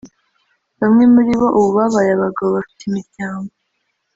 Bamwe muri bo ubu babaye abagabo bafite imiryango